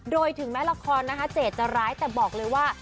โดยถึงแม้ละครนะคะเจดจะร้ายแต่บอกเลยว่า